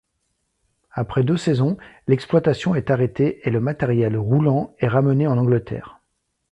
Après deux saisons, l'exploitation est arrêtée et le matériel roulant est ramené en Angleterre.